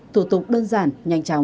thủ tục đơn giản nhanh chóng